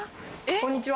こんにちは。